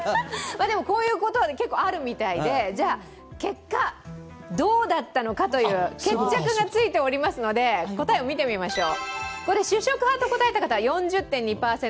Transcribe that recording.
こういうことは結構あるみたいで、結果、どうだったのかという、決着がついておりますので答えを見てみましょう。